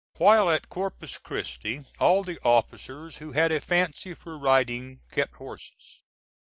While at Corpus Christi all the officers who had a fancy for riding kept horses.